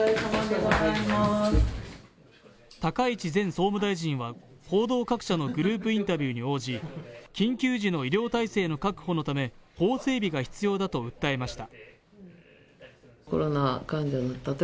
高市前総務大臣は、報道各社のグループインタビューに応じ、緊急時の医療体制確保のため法整備が必要だと訴えました。